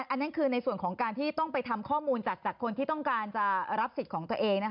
อันนั้นคือในส่วนของการที่ต้องไปทำข้อมูลจากคนที่ต้องการจะรับสิทธิ์ของตัวเอง